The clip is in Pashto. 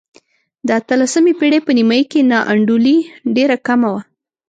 د اتلسمې پېړۍ په نیمايي کې نا انډولي ډېره کمه وه.